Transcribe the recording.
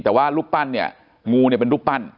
แต่ว่ารูปปั้นเนี่ยงูเนี่ยเป็นรูปปั้น